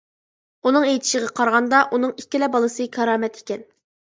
ئۇنىڭ ئېيتىشىغا قارىغاندا، ئۇنىڭ ئىككىلا بالىسى «كارامەت» ئىكەن.